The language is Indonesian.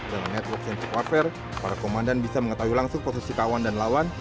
dengan network centric waver para komandan bisa mengetahui langsung posisi kawan dan lawan